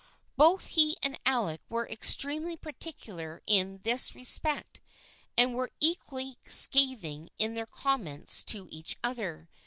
Both he and Alec were extremely particular in this respect and were equally scathing in their comments to each other.